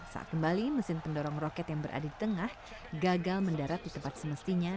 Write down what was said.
saat kembali mesin pendorong roket yang berada di tengah gagal mendarat di tempat semestinya